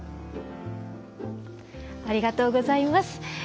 ありがとうございます。